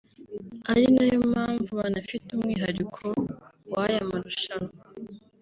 ari nayo mpamvu banafite umwihariko w’aya marushanwa